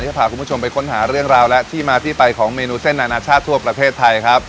จะพาคุณผู้ชมไปค้นหาเรื่องราวและที่มาที่ไปของเมนูเส้นอนาชาติทั่วประเทศไทยครับ